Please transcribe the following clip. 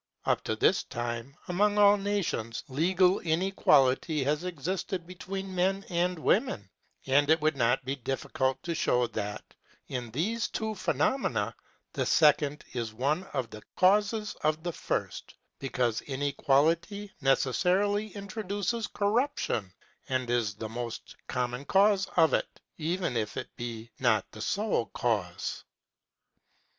Up to this time, among all nations, legal inequality has existed between men and women; and it would not be difficult to show that, in these two phenomena, the second is one of the causes of the first, because inequality necessarily introduces corruption, and is the most common cause of it, if even it be not the sole cause.